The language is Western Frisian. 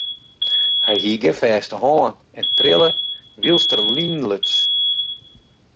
Hy hie gjin fêste hân en trille wylst er linen luts.